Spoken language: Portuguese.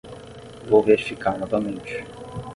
Vou verificar novamente.